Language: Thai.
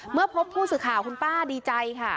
เมื่อพบผู้สื่อข่าวคุณป้าดีใจค่ะ